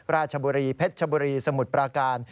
ราชบุรีเพชรชบุรีสมุทรปราการ